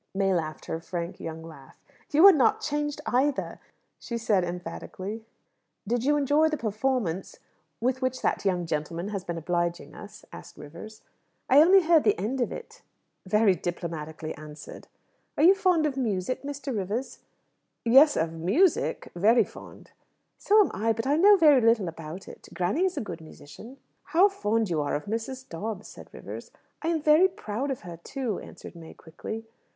May laughed her frank young laugh. "You're not changed either!" she said emphatically. "Did you enjoy the performance with which that young gentleman has been obliging us?" asked Rivers. "I only heard the end of it." "Very diplomatically answered." "Are you fond of music, Mr. Rivers?" "Yes, of music very fond." "So am I; but I know very little about it. Granny is a good musician." "How fond you are of Mrs. Dobbs!" said Rivers. "I am very proud of her, too," answered May quickly.